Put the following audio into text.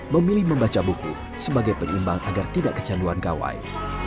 sebagai penimbang agar tidak kecanduan kawai